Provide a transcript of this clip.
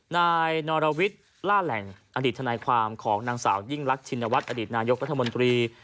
นายนรวิทย์ล่าแหล่งอดีตทนายความของนางสาวยิ่งรักชินวัฒน์อดีตนายกรัฐมนตรี